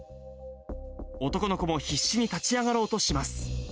男の子も必死に立ち上がろうとします。